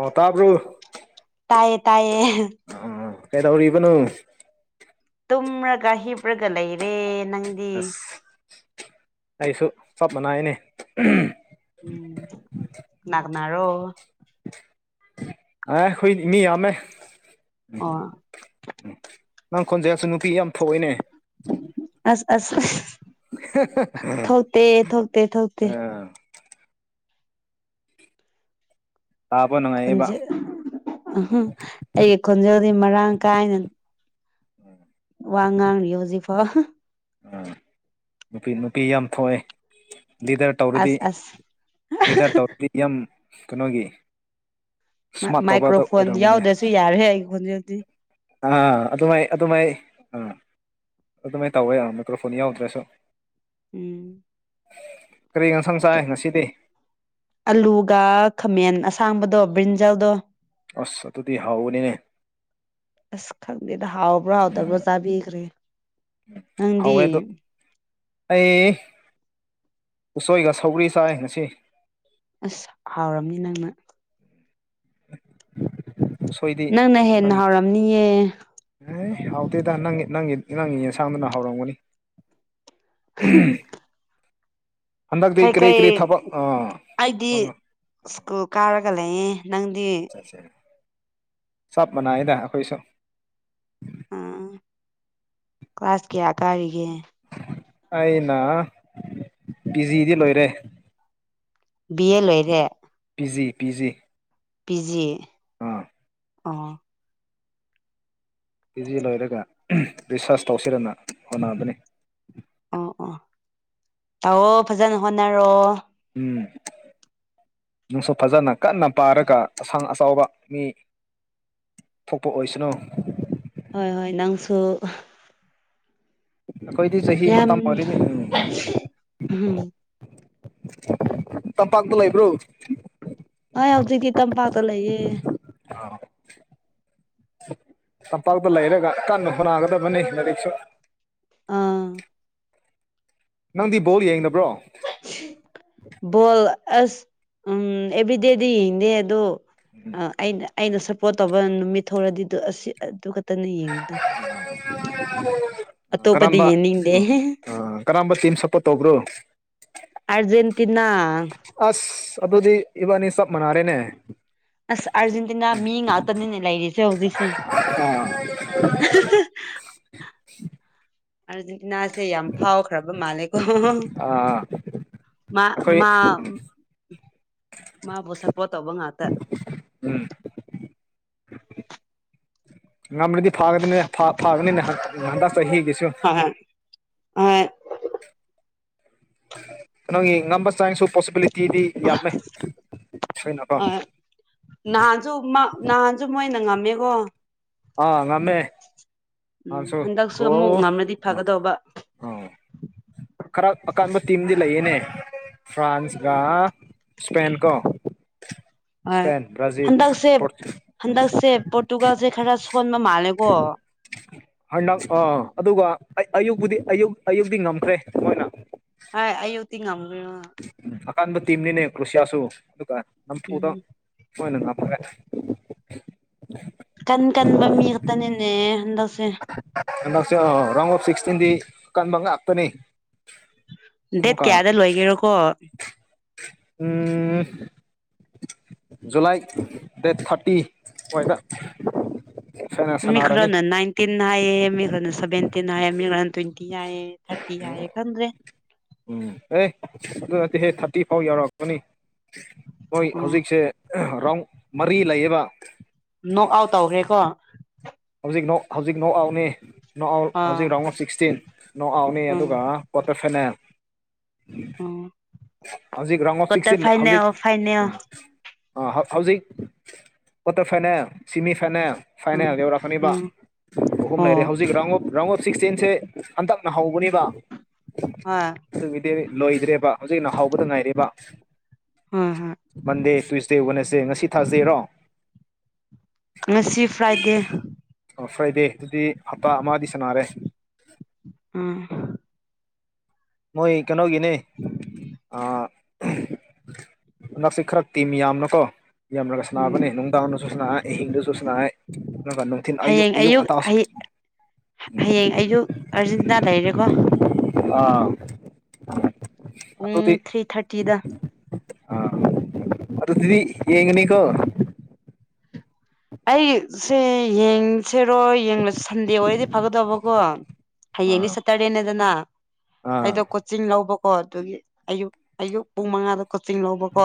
ꯑ ꯇꯔꯕ ꯇꯌꯦ ꯇꯌꯦ ꯀꯩꯗꯧ ꯏꯕꯅꯣ ꯇꯨꯝꯔꯒ ꯍꯤꯄ꯭ꯔꯒ ꯂꯩꯔꯦ ꯅꯪꯗꯤ ꯑꯁ ꯑꯩꯁꯨ ꯆꯞ ꯃꯅꯥꯏꯅꯦ ꯅꯔꯣ ꯑ ꯍꯈꯣꯏ ꯃꯤ ꯌꯥꯝꯃꯦ ꯑꯥ ꯎꯝ ꯅꯪ ꯈꯣꯟꯖꯁꯨ ꯅꯨꯄꯤ ꯌꯥꯝ ꯐꯏꯅꯦ ꯑꯁ ꯑꯁ [unintelligible] ꯊꯣꯛꯇꯦ ꯊꯣꯛꯇꯦ ꯊꯣꯛꯇꯦ ꯑꯥ ꯇꯥꯕ ꯅꯨꯡꯉꯥꯏꯌꯦꯕ ꯈꯣꯟꯖꯦ ꯑꯍ ꯑꯩꯒꯤ ꯈꯣꯟꯖꯦꯜꯗꯤ ꯃꯔꯥꯡ ꯀꯥꯏꯅ ꯋꯥꯉꯥꯡ ꯌꯣꯁꯤꯐꯥꯎ ꯑ ꯅꯨꯄꯤ ꯅꯨꯄꯤ ꯌꯥꯝ ꯊꯣꯛꯑꯦ ꯂꯤꯗꯔ ꯇꯧꯔꯗꯤ ꯑꯁ ꯑꯁ ꯂꯤꯗꯔ ꯇꯧꯔꯗꯤ ꯌꯥꯝ ꯀꯩꯅꯣꯒꯤ [inaudible] ꯃꯥ ꯏꯁꯃꯥꯔꯠ ꯇꯧꯕꯗ ꯃꯥꯏꯀ꯭ꯔꯣꯐꯣꯟ ꯑꯣꯏꯔꯝꯒꯅꯤ ꯌꯥꯎꯗ꯭ꯔꯁꯨ ꯌꯥꯔꯦ ꯑꯩꯒꯤ ꯈꯣꯟꯖꯦꯜꯗꯤ ꯑꯥ ꯑꯗꯨꯃꯥꯏ ꯑꯗꯨꯃꯥꯏ ꯑꯥ ꯑꯗꯨꯃꯥꯏ ꯇꯧꯋꯦ ꯃꯥꯏꯀ꯭ꯔꯣꯐꯣꯟ ꯌꯥꯎꯗ꯭ꯔꯁꯨ ꯎꯝ ꯀꯔꯤ ꯌꯦꯟꯁꯥꯡ ꯆꯥꯏ ꯉꯁꯤꯗꯤ ꯑꯂꯨꯒ ꯈꯥꯃꯦꯟ ꯑꯁꯥꯡꯕꯗꯣ ꯕ꯭ꯔꯤꯟꯖꯜꯗꯣ ꯑꯁ ꯑꯗꯨꯗꯤ ꯍꯥꯎꯅꯤꯅꯦ ꯑꯁ ꯈꯪꯗꯦꯗ ꯍꯥꯎꯕ꯭ꯔꯥ ꯍꯥꯎꯇꯕ꯭ꯔꯥ ꯆꯥꯕꯤꯈ꯭ꯔꯦ ꯅꯪꯗꯤ ꯍꯥꯎꯋꯦ ꯑꯗꯣ ꯑꯩ ꯎꯁꯣꯏꯒ ꯁꯧꯔꯤ ꯆꯥꯏ ꯉꯁꯤ ꯑꯁ ꯍꯥꯎꯔꯝꯅꯤ ꯅꯪꯅ ꯎꯁꯣꯏꯗꯤ ꯅꯪꯅ ꯍꯦꯟꯅ ꯍꯥꯎꯔꯝꯅꯤꯌꯦ ꯑꯦ ꯍꯥꯎꯇꯦꯗ ꯅꯪꯒꯤ ꯅꯪꯒꯤ ꯅꯪꯒꯤ ꯌꯦꯟꯁꯥꯡꯗꯨꯅ ꯍꯥꯎꯔꯝꯒꯅꯤ ꯍ ꯍꯝ ꯍꯟꯗꯛꯇꯤ ꯀꯔꯤ ꯀꯩꯀꯩ ꯀꯔꯤ ꯊꯕꯛ ꯑꯥ ꯑꯩꯗꯤ ꯑꯥ ꯁ꯭ꯀꯨꯜ ꯀꯥꯔꯒ ꯂꯩꯌꯦ ꯅꯪꯗꯤ ꯆꯞ ꯃꯅꯩꯌꯦꯗ ꯑꯩꯈꯣꯏꯁꯨ ꯑꯥ ꯀ꯭ꯂꯥꯁ ꯀꯌꯥ ꯀꯥꯔꯤꯒꯦ ꯑꯩꯅ ꯄꯤꯖꯤꯗꯤ ꯂꯣꯏꯔꯦ ꯕꯤꯑꯦ ꯂꯣꯏꯔꯦ ꯄꯤꯖꯤ ꯄꯤꯖꯤ ꯄꯤꯖꯤ ꯑꯥ ꯑꯣ ꯄꯤꯖꯤ ꯂꯣꯏꯔꯒ ꯔꯤꯁꯥꯔꯁ ꯇꯧꯁꯤꯔꯅ ꯍꯣꯠꯅꯕꯅꯤ ꯑꯣ ꯑꯣ ꯇꯧꯑꯣ ꯐꯖꯅ ꯍꯣꯠꯅꯔꯣ ꯎꯝ ꯅꯡꯁꯨ ꯐꯖꯅ ꯀꯟꯅ ꯄꯥꯔꯒ ꯑꯁꯥꯡ ꯑꯆꯥꯎꯕ ꯃꯤ ꯊꯣꯛꯄ ꯑꯣꯏꯁꯅꯨ ꯍꯣꯏ ꯍꯣꯏ ꯅꯪꯁꯨ ꯑꯩꯈꯣꯏꯗꯤ ꯆꯍꯤ ꯌꯥꯝ ꯃꯇꯝ ꯑꯣꯏꯔꯤꯅꯤ ꯎꯝ ꯎꯝ ꯇꯝꯄꯥꯛꯇ ꯂꯩꯕ꯭ꯔꯣ ꯑꯣꯏ ꯍꯧꯖꯤꯛꯇꯤ ꯇꯝꯄꯥꯛꯇ ꯂꯩꯌꯦ ꯇꯝꯄꯥꯛꯇ ꯂꯩꯔꯒ ꯀꯟꯅ ꯍꯣꯠꯅꯥꯒꯗꯕꯅꯤ ꯂꯩꯔꯤꯛꯁꯨ ꯑꯥ ꯅꯪꯗꯤ ꯕꯣꯜ ꯌꯦꯡꯗꯕ꯭ꯔꯣ ꯕꯣꯜ ꯑꯁ ꯎꯝ ꯑꯦꯕꯔ꯭ꯤꯗꯦꯗꯤ ꯌꯦꯡꯗꯦ ꯑꯗꯨ ꯑ ꯑꯩꯅ ꯑꯩꯅ ꯁꯞꯄꯣꯠ ꯇꯧꯕ ꯅꯨꯃꯤꯠ ꯊꯣꯔꯗꯤ ꯗ ꯑꯁꯤ ꯑꯗꯨꯒ ꯑꯇꯣꯞꯄꯗꯤ ꯀꯔꯝꯕ ꯑ ꯌꯦꯡꯅꯤꯡꯗꯦ ꯑ ꯀꯔꯝꯕ ꯇꯤꯝ ꯁꯞꯄꯣꯔꯠ ꯇꯧꯕ꯭ꯔꯣ ꯑꯔꯖꯦꯟꯇꯤꯅꯥ ꯑꯁ ꯑꯗꯨꯗꯤ ꯏꯕꯥꯅꯤ ꯆꯞ ꯃꯥꯟꯅꯥꯔꯦꯅꯦ ꯑꯁ ꯑꯥꯔꯖꯦꯟꯇꯤꯅꯥ ꯃꯤ ꯉꯥꯛꯇꯅꯤꯅꯦ ꯂꯩꯔꯤꯁꯦ ꯍꯧꯖꯤꯛꯁꯦ [inaudible] ꯑꯥꯔꯖꯦꯟꯇꯤꯅꯥꯁꯦ ꯌꯥꯝ ꯐꯥꯎꯈ꯭ꯔꯕ ꯃꯥꯂꯦ ꯑꯩꯈꯣꯏ ꯃꯥ ꯃꯥ ꯃꯥꯕꯨ ꯁꯄꯣꯔꯠ ꯇꯧꯕ ꯉꯥꯛꯇ ꯉꯝ꯭ꯔꯗꯤ ꯐꯥꯒꯗꯅꯦ ꯐꯥꯒꯅꯤꯅꯦ ꯍꯟꯗꯛ ꯆꯍꯤꯒꯤꯁꯨ ꯑ ꯅꯪꯒꯤ ꯉꯝꯕ ꯆꯥꯡꯁꯨ ꯄꯣꯁꯤꯕꯤꯂꯤꯇꯤꯗꯤ ꯌꯥꯝꯃꯦ ꯁꯣꯏꯅꯀꯣ ꯍꯣꯏ ꯅꯍꯥꯟꯁꯨ ꯅꯍꯥꯟꯁꯨ ꯃꯣꯏꯅ ꯉꯝꯃꯦꯀꯣ ꯑꯥ ꯉꯃꯦ ꯎꯝ ꯑꯁꯨꯣ ꯍꯟꯗꯛꯁꯨ ꯣ ꯑꯃꯨꯛ ꯉꯝꯂꯗꯤ ꯑ ꯐꯒꯗꯧꯕ ꯑ [unintelligible] [inaudible] ꯈꯔ ꯑꯀꯟꯕ ꯇꯤꯝꯗꯤ ꯂꯩꯌꯦꯅꯦ ꯐ꯭ꯔꯥꯟꯁꯀ ꯏꯁꯄꯦꯟꯀꯣ ꯍꯣꯏ ꯍꯟꯗꯛꯁꯦ ꯍꯟꯗꯛꯁꯦ ꯄꯣꯔꯇꯨꯒꯜꯁꯦ ꯈꯔ ꯐꯣꯟꯣꯟ ꯃꯥꯂꯀꯣ ꯍꯟꯗꯛ ꯑꯥ ꯑꯗꯨꯒ ꯑꯌꯨꯛꯄꯗꯤ ꯑꯌꯨꯛ ꯑꯌꯨꯛꯇꯤ ꯉꯝꯈ꯭ꯔꯦ ꯃꯣꯏꯅ ꯑ ꯑꯌꯣꯇꯤ ꯉꯃ ꯑꯀꯥꯟꯕ ꯇꯤꯝꯅꯤꯅꯦ ꯀꯨꯁꯤꯌꯥꯁꯨ ꯑꯗꯨꯒ ꯎꯝ ꯅꯝꯐꯨꯗꯣꯏꯅ [unintelligible] [inaudible] ꯀꯟ ꯀꯟꯕꯝꯃꯤ ꯃꯤ ꯏꯔ ꯇ ꯅꯦꯅꯦ ꯍꯟꯗꯛꯁꯦ ꯔꯥꯎ ꯑꯣꯐ ꯁꯤꯛꯁꯇꯤꯟꯗꯤ ꯑꯀꯟꯕ ꯉꯥꯛꯇꯅꯤ ꯗꯦꯠ ꯑꯃꯨꯛꯀ ꯀꯌꯥꯗ ꯂꯣꯏꯒꯦꯔꯣꯀꯣ ꯎꯝ ꯖꯨꯂꯥꯏ ꯗꯦꯠ ꯊꯥꯔꯇꯤ ꯑꯣꯏꯗ ꯃꯤꯈ꯭ꯔꯅ ꯅꯥꯏꯟꯇꯤꯟ ꯍꯥꯏꯌꯦ ꯃꯤꯅ ꯁꯕꯦꯟꯇꯤꯟ ꯍꯥꯏꯌꯦꯦ ꯃꯤꯅ ꯇ꯭ꯋꯦꯟꯇꯤ ꯍꯥꯏꯌꯦ ꯊꯥꯔꯇꯤ ꯍꯥꯏꯌꯦꯦ ꯈꯗ꯭ꯔꯦ ꯎꯝ ꯑꯦ ꯑꯗꯨ ꯅꯗꯤ ꯍꯦ ꯊꯥꯔꯇꯤ ꯐꯥꯎ ꯌꯥꯎꯔꯛꯀꯅꯤ ꯃꯣꯏ ꯑꯣ ꯍꯧꯖꯤꯛꯁꯦ ꯔꯥꯎꯟ ꯃꯔꯤ ꯂꯩꯌꯦꯕ ꯅꯣꯛ ꯑꯥꯎꯠ ꯇꯧꯈ꯭ꯔꯦꯀꯣ ꯍꯧꯖꯤꯛ ꯍꯧꯖꯤꯛ ꯅꯣꯛ ꯑꯥꯎꯅꯤ ꯅꯣꯠ ꯑꯥꯎꯠ ꯑꯥ ꯍꯧꯖꯤꯛ ꯔꯥꯎꯟ ꯁꯤꯛꯁꯇꯤꯟ ꯅꯣꯠ ꯑꯥꯎꯠꯅꯤ ꯎꯝ ꯑꯗꯨꯒ ꯀ꯭ꯋꯥꯇꯔ ꯐꯥꯏꯅꯦꯜ ꯎꯝ ꯍꯧꯖꯤꯛ ꯔꯉ ꯀ꯭ꯋꯥꯇꯔ ꯁꯤꯛꯁꯇꯤꯟ ꯍꯧꯖꯤꯛ ꯐꯥꯏꯅꯦꯜ ꯐꯥꯏꯅꯦꯜ ꯍꯧꯖꯤꯛ ꯀ꯭ꯋꯥꯇꯔ ꯐꯥꯏꯅꯦꯜ ꯁꯤꯃꯤ ꯐꯥꯏꯅꯦꯜ ꯎꯝ ꯐꯥꯏꯅꯦꯜ ꯌꯧꯔ ꯎꯝ ꯍꯨꯝ ꯂꯩꯔꯦ ꯑꯣ ꯍꯧꯖꯤꯛ ꯔ ꯑꯣ ꯁꯤꯛꯁꯇꯤꯟꯁꯦ ꯍꯟꯇꯛꯅ ꯍꯧꯕꯅꯤ ꯍꯣꯏ ꯑꯗꯨꯒꯤꯗꯤ ꯂꯣꯏꯗ꯭ꯔꯦꯕ ꯍꯧꯖꯤꯛ ꯅ ꯍꯥꯎꯕꯗ ꯉꯥꯏꯔꯦꯕ ꯍꯣꯏ ꯍꯣꯏ ꯃꯟꯗꯦ ꯇꯨꯁꯗꯦ ꯋꯥꯅꯦꯁꯗꯦ ꯉꯁꯤ ꯊꯥꯖꯩꯔꯣ ꯉꯁꯤ ꯐ꯭ꯔꯥꯏꯗꯦ ꯑꯣ ꯐ꯭ꯔꯥꯏꯗꯦ ꯑꯗꯨꯗꯤ ꯍꯞꯇꯥ ꯑꯃꯗꯤ ꯁꯅꯔꯦ ꯑꯥ ꯃꯣꯏ ꯀꯩꯅꯣꯒꯤꯅꯦ ꯑ ꯍꯟꯗꯛꯁꯤ ꯈꯔ ꯇꯤꯃꯤ ꯌꯥꯝꯅꯨꯀꯣ ꯌꯥꯝꯂꯒ ꯎꯝ ꯁꯅꯥꯕꯅꯦ ꯅꯨꯡꯗꯥꯡꯗꯁꯨ ꯁꯅꯥ ꯑꯍꯤꯡꯗꯨꯁꯨ ꯁꯥꯟꯅꯥ ꯑꯗꯨꯒ ꯅꯨꯡꯊꯤꯟ ꯑꯌꯨꯛ ꯑꯌꯨꯛ ꯉꯟꯇꯥꯁꯨ ꯍꯌꯦꯡ ꯑꯩꯁꯨ ꯑꯥꯔꯖꯦꯟꯇꯤꯅꯥ ꯂꯩꯔꯦꯀꯣ ꯑꯥ ꯑꯗꯨꯗꯤ ꯎꯝ ꯊ꯭ꯔꯤ ꯊꯥꯔꯇꯤꯗ ꯑꯔ ꯑꯗꯨꯤꯗꯤ ꯌꯦꯉꯅꯤꯀꯣ ꯑꯩꯁꯦ ꯌꯦꯡ ꯆꯠꯁꯦꯔꯣ ꯌꯦꯡꯂꯁꯨ ꯁꯟꯗꯦ ꯑꯣꯏꯔꯗꯤ ꯐꯒꯗꯧꯕꯀꯣ ꯍꯌꯦꯡꯗꯤ ꯑꯥ ꯁꯇꯔꯗꯦꯅꯦꯗꯅ ꯑꯥ ꯑꯩꯗꯣ ꯀꯣꯆꯤꯡ ꯂꯧꯕꯀꯣ ꯑꯗꯨꯒꯤ ꯑꯌꯨꯛ ꯑꯌꯨꯛ ꯄꯨꯡ ꯃꯉꯥꯗ ꯀꯣꯆꯤꯡ ꯂꯧꯕꯀꯣ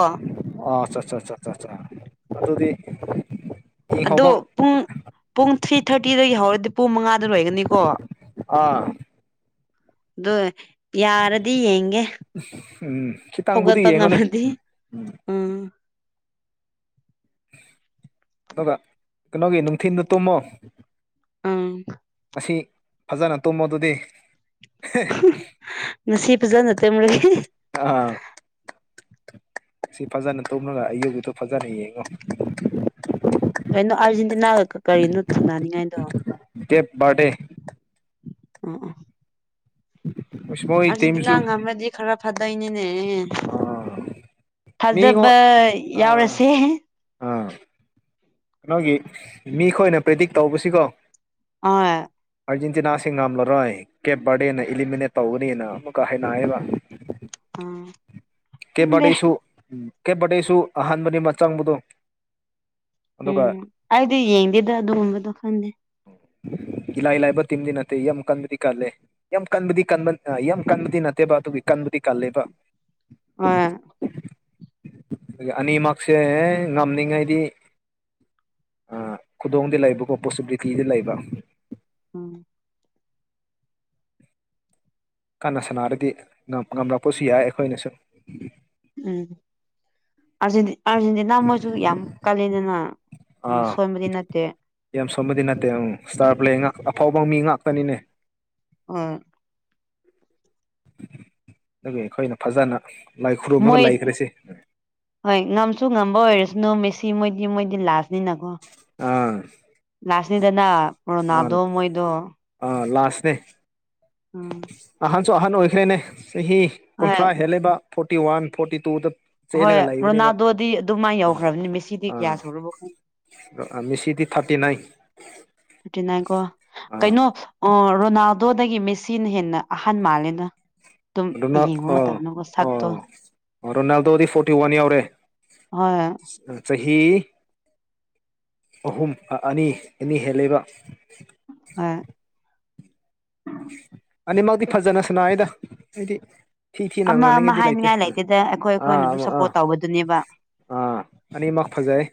ꯑꯣ ꯑꯆꯥ ꯑ ꯑꯗꯨ ꯑꯗꯨꯗꯤ ꯑꯗꯣ ꯌꯦꯡꯍꯧꯕ ꯄꯨꯡ ꯄꯨꯡ ꯊ꯭ꯔꯤ ꯊꯥꯔꯇꯤꯗ ꯍꯧꯔꯗꯤ ꯄꯨꯡ ꯃꯉꯥꯗ ꯂꯣꯏꯒꯅꯤꯀꯣ ꯑꯣ ꯑꯥ ꯌꯥꯔꯗꯤ ꯌꯦꯡꯒꯦ ꯎꯝ ꯈꯤꯇꯪꯕꯨꯗꯤ ꯍꯧꯒꯠꯄ ꯌꯦꯡꯉꯨꯅꯦ ꯉꯝꯃꯗꯤ ꯎꯝ ꯑꯗꯨꯒ ꯀꯩꯅꯣꯒꯤ ꯅꯨꯡꯊꯤꯤꯟꯗ ꯇꯨꯝꯃꯣ ꯎꯝ ꯑꯁꯤ ꯐꯖꯅ ꯇꯨꯝꯃꯣ ꯑꯗꯨꯗꯤ ꯄ ꯄꯨꯖꯥ ꯅꯠꯇꯦ ꯃ ꯑꯥ ꯁꯤ ꯐꯖꯅ ꯇꯧꯅꯒ ꯑꯌꯨꯒꯤꯗꯣ ꯐꯖꯅ ꯌꯦꯡꯉꯦ ꯀꯩꯅꯣ ꯑꯥꯔꯖꯦꯟꯇꯤꯅꯥꯒ ꯀꯔꯤꯅꯣ ꯊꯝꯅꯅꯤꯡꯉꯥꯏꯗꯣ ꯔꯦ ꯑꯥ ꯑ ꯎꯝ ꯑꯔꯖꯦꯟꯇꯤꯅꯥ ꯉꯝꯗꯤ ꯈꯔ ꯐꯥꯗꯣꯏꯅꯦꯅꯦ ꯑꯥ ꯃꯤꯉꯣ ꯑ ꯌꯥꯎꯔꯁꯦ ꯑ ꯀꯩꯅꯣꯒꯤ ꯃꯤ ꯈꯣꯏꯅ ꯄ꯭ꯔꯦꯇꯤꯛ ꯇꯧꯕꯁꯤꯀꯣ ꯑ ꯑꯥꯔꯖꯦꯟꯇꯤꯅꯥꯁꯤ ꯉꯝꯂꯔꯣꯏ ꯀꯦꯞ ꯕꯥꯔꯗꯦꯅ ꯏꯂꯤꯃꯤꯅꯦꯠ ꯇꯧꯒꯅꯤꯅ ꯑꯃꯨꯛꯀ ꯍꯥꯏꯅꯑꯦꯕ ꯑꯥ ꯀꯦꯕꯥꯗꯤꯁꯨ ꯀꯦꯕꯥꯗꯤꯁꯨ ꯑꯍꯥꯟꯕꯅꯤ ꯑꯃ ꯆꯪꯕꯗꯣ ꯑꯗꯨꯒ ꯎꯝ ꯑꯩꯗꯤ ꯌꯦꯡꯗꯦꯗ ꯑꯗꯨꯒꯨꯝꯕꯗꯣ ꯈꯪꯗꯦ ꯎ ꯏꯂꯥꯏ ꯂꯥꯏꯕ ꯇꯤꯝꯗꯤ ꯅꯠꯇꯦ ꯌꯥꯝ ꯀꯟꯕꯗꯤ ꯀꯜꯂꯦ ꯌꯥꯝ ꯀꯟꯕꯗꯤ ꯀꯟꯕ ꯌꯥꯝ ꯀꯟꯕꯗꯤ ꯅꯠꯇꯦꯕ ꯑꯗꯨꯒꯤꯕ ꯄꯤ ꯀꯜꯂꯦꯕ ꯑ ꯑꯅꯤꯃꯛꯁꯦ ꯉꯝꯅꯤꯡꯉꯥꯏꯗꯤ ꯈꯨꯗꯣꯡꯗ ꯂꯩꯕꯀꯣ ꯄꯣꯁꯤꯕꯤꯂꯤꯇꯤꯗ ꯂꯩꯕ ꯎꯝ ꯀꯅ ꯁꯥꯟꯅꯔꯗꯤ ꯉꯝꯂꯛꯄꯁꯨ ꯌꯥꯏ ꯑꯩꯈꯣꯏꯅꯁꯨ ꯎꯝ ꯑꯥꯔꯖꯦꯟꯇꯤꯅꯥ ꯃꯁꯨ ꯌꯥꯝ ꯀꯥꯂꯦꯟꯗꯅ ꯑꯥ ꯌꯥꯝ ꯁꯣꯃꯗꯤ ꯅꯠꯇꯦ ꯎꯝ ꯏꯁꯇꯥꯔ ꯄ꯭ꯂꯦ ꯉꯥꯛ ꯑꯐꯥꯎꯕ ꯃꯤ ꯉꯍꯥꯛ ꯇꯅꯤꯅꯦ ꯑꯣ ꯑꯗꯨꯒ ꯑꯩꯈꯣꯏꯅ ꯐꯖꯅ ꯂꯥꯏ ꯈꯨꯔꯨꯝꯃꯒ ꯃꯣꯏꯣꯏ ꯂꯩꯈ꯭ꯔꯁꯤ ꯍꯣꯏ ꯉꯝꯁꯨ ꯉꯝꯕ ꯑꯣꯏꯔꯁ ꯅ ꯃꯦꯁꯤ ꯃꯣꯏꯗꯤ ꯃꯣꯏꯗꯤ ꯂꯥꯁꯅꯤꯀꯣ ꯑꯥ ꯂꯥꯁꯅꯤꯗꯅ ꯄꯣ ꯅꯥꯗꯣ ꯃꯣꯏꯗꯣ ꯅꯦ ꯎꯝ ꯑꯍꯟꯁꯨ ꯑꯍꯟ ꯑꯣꯏꯈ꯭ꯔꯦꯅꯦ ꯆꯍꯤ ꯍꯣꯏ ꯀꯨꯟꯊ꯭ꯔꯥ ꯍꯦꯜꯜꯂꯤꯕ ꯐ ꯐꯣꯔꯇ ꯋꯥ ꯐꯣꯔꯇꯤ ꯇꯨꯗ ꯍꯣꯏ ꯆꯦꯜꯂꯒ ꯂꯩꯕꯅꯦꯕ ꯔꯣꯅꯥꯜꯗꯣꯗꯤ ꯑꯗꯨꯃꯥꯏꯅ ꯌꯧꯈ꯭ꯔꯕꯅꯤ ꯃꯦꯁꯤꯗꯤ ꯀꯌꯥ ꯁꯨꯕ ꯈꯪꯦ ꯃꯤ ꯁꯤꯗꯤꯤ ꯊꯥꯔꯇꯤ ꯅꯥꯏ ꯊꯇꯀꯣ ꯑꯥ ꯀꯩꯅꯣ ꯑ ꯔꯣꯅꯥꯜꯗꯣꯗꯒꯤ ꯃꯦꯁꯤꯅ ꯍꯦꯟꯅ ꯑꯍꯟ ꯃꯥꯜꯂꯦꯅ ꯑꯗꯨꯝ ꯑꯗꯨꯅ ꯌꯦꯡꯕ ꯑꯥ ꯃꯇꯝꯗꯀꯣ ꯁꯛꯇꯣ ꯑꯣ ꯔꯣꯅꯥꯜꯗꯣꯗꯤ ꯐꯣꯔꯇꯤ ꯋꯥꯟ ꯌꯥꯎꯔꯦ ꯍꯣꯏ ꯆꯍꯤ ꯑꯍꯨꯝ ꯑꯅꯤ ꯑꯅꯤ ꯍꯦꯜ ꯂꯩꯕ ꯑ ꯑꯅꯤꯃꯛꯇꯤ ꯐꯖꯅ ꯁꯅꯥꯏꯗ ꯑꯩꯗꯤ ꯐꯤ ꯀꯤ ꯑꯃ ꯑꯃ ꯅꯪꯅꯒꯗꯤ ꯂꯩ ꯍꯥꯏꯅꯤꯡꯉꯥꯏ ꯂꯩꯇꯦ ꯂꯩꯇꯦꯗ ꯑꯩꯈꯣꯏ ꯑꯩꯈꯣꯏꯅ ꯑꯗꯨꯝ ꯑꯥ ꯑꯥ ꯁꯞꯄꯣꯔꯠ ꯇꯧꯕꯗꯨꯅꯦꯕ ꯑꯥ ꯑꯅꯤ ꯃꯛ ꯐꯖꯥꯏ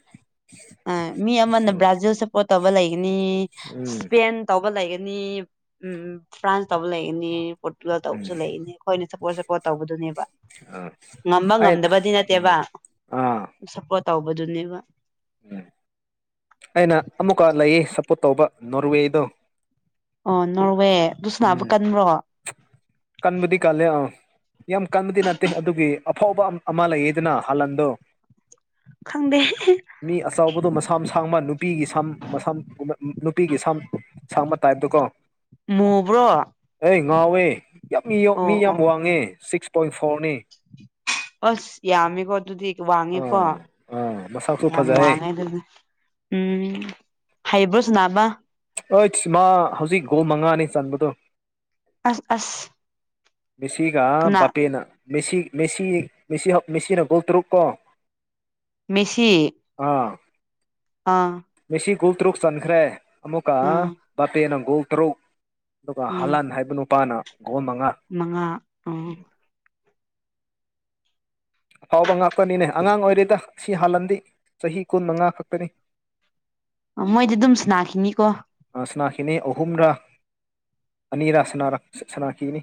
ꯑ ꯃꯤ ꯑꯃꯅ ꯕ꯭ꯔꯥꯖꯤꯜ ꯁꯄꯣꯔꯠ ꯇꯧꯕ ꯂꯩꯒꯅꯤ ꯎꯝ ꯏꯁꯄꯦꯟ ꯇꯧꯕ ꯂꯩꯒꯅꯤ ꯑꯅꯤ ꯎꯝ ꯐ꯭ꯔꯥꯟꯁ ꯇꯕꯨ ꯂ ꯍꯅꯤ ꯄꯣꯔ ꯇꯨꯋꯦꯜ ꯎꯝ ꯇꯧꯕꯁꯨ ꯂꯩꯅꯦ ꯑꯩꯈꯣꯏꯅ ꯁꯞꯄꯣꯔꯠ ꯁꯞꯄꯣꯔꯠ ꯇꯧꯕꯗꯨꯅꯦꯕ ꯑꯥ ꯉꯝꯕ ꯑꯩ ꯉꯝꯗꯕꯗꯤ ꯅꯠꯇꯦꯕ ꯑꯥ ꯁꯞꯄꯣꯔꯠ ꯇꯧꯕꯗꯨꯅꯦꯕ ꯎꯝ ꯑꯩꯅ ꯑꯃꯨꯛꯀ ꯂꯩꯌꯦ ꯁꯞꯄꯣꯔꯠ ꯇꯧꯕ ꯅꯣꯔꯋꯦꯗꯣ ꯑꯣ ꯅꯣꯔꯋꯦ ꯑꯗꯨ ꯁꯅꯥꯕ ꯎꯝ ꯀꯟꯕ꯭ꯔꯣ ꯀꯟꯕꯨꯗꯤ ꯀꯂꯦ ꯑ ꯌꯥꯝ ꯀꯟꯕꯗꯤ ꯅꯠꯇꯦ ꯑꯗꯨꯒꯤ ꯑꯐꯥꯎꯕ ꯑꯃ ꯂꯩꯌꯦꯗꯅ ꯍꯍꯟꯗꯣ ꯈꯪꯗꯦ ꯃꯤ ꯑꯆꯥꯎꯕꯗꯣ ꯃꯁꯥ ꯃꯁꯥ ꯁꯥꯡꯕ ꯅꯨꯄꯤꯒꯤ ꯁꯝ ꯁꯝ ꯅꯨꯄꯤꯒꯤ ꯁꯝ ꯁꯥꯡꯕ ꯇꯥꯏꯞꯇꯀꯣ ꯃꯕ꯭ꯔꯣ ꯑꯦ ꯉꯥꯎꯋꯦ ꯌꯥꯝ ꯃꯤ ꯌꯥꯝ ꯋꯥꯡꯉꯦ ꯁꯤꯛꯁ ꯄꯣꯏꯟ ꯐꯣꯔꯅꯤ ꯑꯁ ꯌꯥꯝꯃꯦꯀꯣ ꯑꯗꯨꯗꯤ ꯋꯥꯡꯉꯦꯀꯣ ꯑꯥ ꯑꯥ ꯃꯁꯛꯁꯨ ꯌꯥꯝ ꯐꯖꯩ ꯋꯥꯡꯉꯦ ꯑꯗꯨꯗꯤ ꯎꯝ ꯍꯩꯕ꯭ꯔꯣ ꯁꯅꯥꯕ ꯑꯩꯁ ꯃꯥ ꯍꯧꯖꯤꯛ ꯒꯣ ꯃꯉꯥꯅꯤ ꯆꯟꯕꯗꯣ ꯑꯁ ꯑꯁ ꯃꯦꯁꯤꯒ ꯀꯅꯥ ꯕꯥꯄꯦꯅ ꯃꯦꯁꯤ ꯃꯦꯁꯤꯦꯁꯤ ꯃꯦꯁꯤꯅ ꯒꯣꯜ ꯇꯔꯨꯛ ꯀꯣ ꯃꯁꯤ ꯑꯥ ꯁꯤ ꯒꯨꯜ ꯇꯔꯨꯛ ꯆꯟꯈ꯭ꯔꯦ ꯑꯃꯨꯛꯀ ꯎꯝ ꯕꯥꯄꯦꯅꯪ ꯒꯣꯜ ꯇꯔꯨꯛ ꯑꯗꯨꯒ ꯎꯝ ꯍꯂꯥꯟ ꯍꯥꯏꯕ ꯅꯨꯄꯥꯅ ꯒꯣꯝ ꯃꯉꯥ ꯑ ꯎ ꯑꯐꯥꯎꯕ ꯉꯥꯛꯄꯅꯤꯅꯦ ꯑꯉꯥꯡ ꯑꯣꯏꯔꯤꯦꯗ ꯑꯁꯤ ꯍꯥꯜꯂꯝꯟꯗꯤꯦ ꯆꯍꯤ ꯀꯨꯟꯃꯉꯥ ꯈꯛꯇꯅꯤ ꯃꯣꯏꯗꯤ ꯑꯗꯨꯝ ꯁ ꯅꯥꯈꯤꯅꯤꯀꯣ ꯁꯅꯥꯈꯤꯅꯤ ꯑꯍꯨꯝꯔ ꯑꯅꯤꯔ ꯁꯅꯥꯈꯤꯅꯤ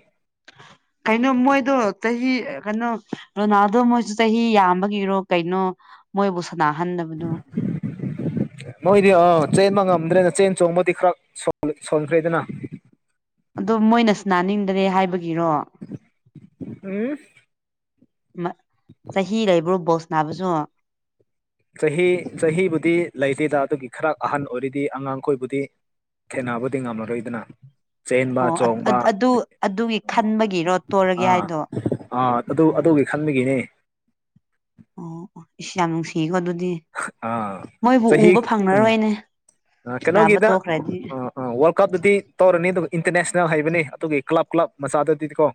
ꯀꯩꯅꯣ ꯃꯣꯏꯗꯣ ꯆꯍꯤ ꯀꯩꯅꯣ ꯔꯣꯅꯥꯜꯗꯣ ꯃꯣꯏꯁꯨ ꯆꯍꯤ ꯌꯥꯝꯕꯒꯤꯔꯣ ꯀꯩꯅꯣ ꯃꯣꯏꯕꯨ ꯁꯥꯟꯅꯥꯍꯟꯗꯕꯗꯣ ꯃꯣꯏꯗꯤ ꯑꯥ ꯆꯦꯟꯕ ꯉꯝꯗ꯭ꯔꯦꯅ ꯆꯦꯟ ꯆꯣꯡꯕꯗꯤ ꯈꯔ ꯁꯣꯟꯈ꯭ꯔꯦꯗꯅ ꯑꯣ ꯃꯣꯏꯅꯁꯨ ꯅꯥꯅꯤꯡꯗ꯭ꯔꯦ ꯍꯥꯏꯕꯒꯤ ꯎꯝ ꯆꯍꯤ ꯂꯩꯕ꯭ꯔꯣ ꯕꯣ ꯅꯥꯕꯁꯨ ꯆꯍꯤ ꯆꯍꯤꯕꯨꯗꯤ ꯂꯩꯇꯦꯗ ꯑꯗꯨꯒꯤ ꯈꯔ ꯑꯍꯟ ꯑꯣꯏꯔꯤꯗꯤ ꯑꯉꯥꯡꯈꯣꯏꯕꯨꯗꯤ ꯊꯦꯅꯕꯗꯤ ꯉꯝꯃꯔꯣꯏꯗꯅ ꯆꯦꯟꯕ ꯑꯣ ꯆꯣꯡꯕ ꯑꯗꯨ ꯑꯗꯨꯒꯤ ꯎ ꯈꯟꯕꯒꯤꯔꯣ ꯇꯣꯔꯒꯦ ꯑꯥ ꯍꯥꯏꯗꯣ ꯑ ꯑꯗꯨ ꯑꯗꯨ ꯑꯣ ꯈꯥꯟꯃꯤꯒꯅꯦ ꯑꯣ ꯑꯣ ꯏꯁ ꯌꯥꯝ ꯅꯨꯡꯁꯤꯀꯣ ꯑꯗꯨꯗꯤ ꯑꯥ ꯃꯣꯏꯕꯨ ꯎꯕ ꯐꯪꯂꯅꯔꯣꯏꯅꯦ ꯑ ꯀꯩꯅꯣꯒꯗ ꯋꯥꯔꯜ ꯀꯞ ꯇꯗꯤ ꯇꯧ꯭ꯔꯅꯤ ꯏꯟꯇꯔꯅꯦꯁꯅꯦꯜ ꯍꯥꯏꯕꯅꯤ ꯑꯗꯨꯒꯤ ꯀ꯭ꯂꯕ ꯀ꯭ꯂꯕ ꯃꯆꯥꯗꯗꯤꯀꯣ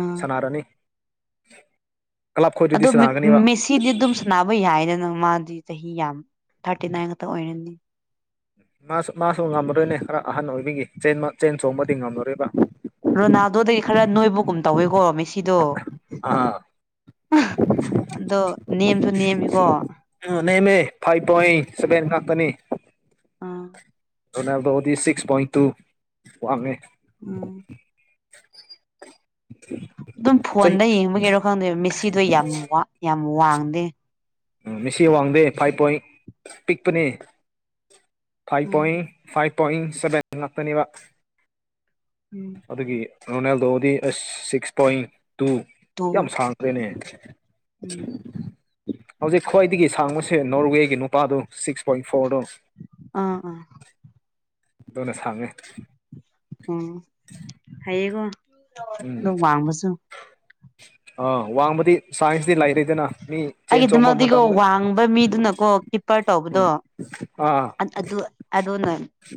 ꯑꯥ ꯁꯥꯟꯅꯔꯅꯤ [inaudible] ꯈꯣꯏꯗꯨꯗꯤ ꯑꯗꯣ ꯁꯥꯟꯅꯒꯅꯤꯕ ꯃꯦꯁꯤꯗꯤ ꯑꯗꯨꯝ ꯁꯥꯟꯅꯕ ꯌꯥꯏꯗ ꯅꯪ ꯃꯥꯗꯤ ꯆꯍꯤ ꯌꯥꯝ ꯊꯥꯔꯇꯤ ꯅꯥꯏꯟ ꯈꯛꯇ ꯑꯣꯏꯔꯅꯤ ꯃꯥꯁꯨ ꯃꯥꯁꯨ ꯉꯝꯃꯗꯣꯏꯅꯦ ꯈꯔ ꯑꯍꯟ ꯑꯣꯏꯕꯤꯒꯤ ꯆꯦꯟ ꯆꯣꯡꯕꯗꯤ ꯉꯝꯂꯣꯔꯤꯕ꯭ꯔ ꯀꯅꯥꯗꯣꯗꯒꯤ ꯈꯔ ꯅꯣꯏꯕꯒꯨꯝ ꯇꯧꯋꯤꯀꯣ ꯃꯦꯁꯤꯗꯣ ꯑꯥ ꯑꯗꯣ ꯅꯦꯝꯁꯨ ꯅꯦꯝꯃꯤꯀꯣ ꯅ ꯃ ꯐꯥꯏ ꯇꯣꯏ ꯁꯕꯦꯟ ꯉꯥꯛꯀꯅꯤ ꯑꯥ ꯑꯣꯗꯗꯤ ꯁꯤꯛꯁ ꯄꯣꯏꯟ ꯇꯨ ꯋꯥꯃꯦ ꯎꯝ [unintelligible] ꯑꯗꯨꯝ ꯆꯍꯤ ꯐꯣꯟꯗ ꯌꯦꯡꯕꯒꯤꯔꯣ ꯈꯪꯗꯦꯕ ꯃꯦꯁꯤꯗꯣ ꯌꯥꯝ ꯌꯥꯝ ꯋꯥꯡꯗꯦ ꯎꯝ ꯃꯤꯁꯤ ꯋꯥꯡꯗꯦ ꯐꯥꯏꯚ ꯄꯣꯏꯟ ꯄꯤꯛꯄꯅꯤ five um point five point seven ꯉꯥꯛꯇꯅꯦꯕ ꯎꯝ ꯑꯗꯨꯒꯤ ꯔꯣꯅꯥꯜꯗꯣꯗꯤ ꯑꯁ ꯁꯤꯛꯁ ꯄꯣꯏꯟ ꯇꯨ ꯇꯣ ꯌꯥꯝ ꯁꯥꯡꯈ꯭ꯔꯦꯅꯦ ꯎꯝ ꯍꯧꯖꯤꯛ ꯈ꯭ꯋꯥꯏꯗꯒꯤ ꯁꯥꯡꯕꯁꯦ ꯅꯣꯔꯋꯦꯒꯤ ꯅꯨꯄꯥꯗꯣ ꯁꯤꯛꯁ ꯄꯣꯏꯟ ꯐꯣꯔꯗꯣ ꯑꯥ ꯑꯥ ꯑꯗꯨꯅ ꯁꯡꯉꯦ ꯎꯝ ꯍꯥꯏꯩꯌꯦꯀꯣ ꯅꯣꯛ ꯋꯥꯡꯕꯁꯨ ꯑ ꯋꯥꯡꯃꯗꯤ ꯁꯥꯏꯟꯁ ꯑꯩꯒꯤꯗꯨꯃꯛꯇꯤꯀꯣ ꯋꯥꯡꯕ ꯃꯤꯗꯨꯅꯀꯣ ꯀꯤꯞꯄꯔ ꯎꯝ ꯇꯧꯕꯗꯣ ꯑꯥ ꯑꯗꯨ ꯑꯗꯨꯅ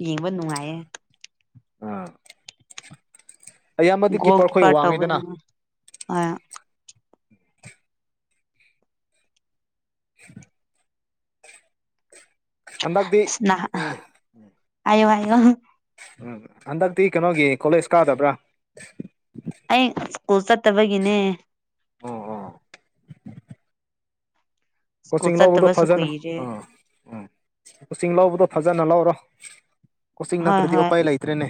ꯌꯦꯡꯕ ꯅꯨꯡꯉꯥꯏꯌꯦ ꯑꯥ ꯑꯌꯥꯝꯕꯗꯤ ꯀꯤꯞꯄꯔ ꯒꯣꯀꯤ ꯈꯣꯏ ꯄꯥ ꯇꯕ ꯋꯥꯡꯉꯤꯗꯅ ꯑ [unintelligible] ꯍꯟꯗꯛꯇꯤ ꯁ ꯑꯣ ꯍꯥꯏꯑꯣ ꯍꯥꯏꯑꯣ ꯎꯝ ꯍꯟꯗꯛꯇꯤ ꯀꯩꯅꯣꯒꯤ ꯀꯣꯂꯦꯖ ꯀꯥꯗꯕ꯭ꯔꯥ ꯑꯣ ꯆꯠꯇꯕꯒꯤꯅꯦ ꯁ꯭ꯀꯨꯜ ꯀꯣꯆꯤꯡ ꯂꯧꯕꯗꯣ ꯆꯠꯇꯕꯁꯨ ꯐꯖꯅ ꯀꯨꯏꯔꯦ ꯑꯥ ꯎꯝ ꯀꯁꯤꯡ ꯂꯧꯕꯗꯣ ꯐꯖꯅ ꯂꯧꯔꯣ ꯀꯣꯆ ꯍꯣꯏ ꯅꯠꯇ꯭ꯔꯗꯤ ꯍꯣꯏ ꯎꯄꯥꯏ ꯂꯩꯇ꯭ꯔꯦꯅꯦ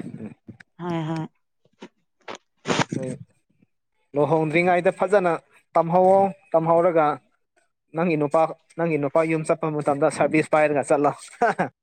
ꯂꯨꯍꯣꯡꯗ꯭ꯔꯤꯉꯩꯗ ꯐꯖꯅ ꯇꯝꯍꯧꯋꯣ ꯇꯝꯍꯧꯔꯒ ꯅꯪꯒꯤ ꯅꯨꯄꯥ ꯅꯪꯒꯤ ꯅꯨꯄꯥ ꯌꯨꯝ ꯆꯠꯄ ꯃꯇꯝꯗ ꯁꯥꯔꯚꯤꯁ ꯄꯥꯏꯔꯒ ꯆꯠꯂꯣ